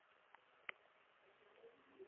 انګلیسان خبر شول ابدالي په هندوستان کې دی.